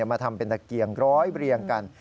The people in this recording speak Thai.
มาทำเป็นตะเกียงร้อยเรียงกัน